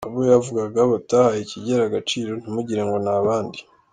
Abo yavugaga batahaye Kigeli agaciro ntimugirengo ni abandi!